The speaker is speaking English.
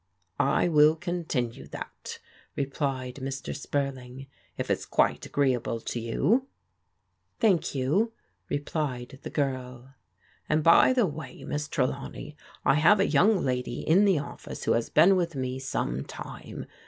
" I will continue that," replied Mr. Sptu'ling, " if it's quite agreeable to yotL Thank yxm/* replied Ae girL * And, by the way. Miss Trdawncy, I have a young lady in the office who has been with me some time.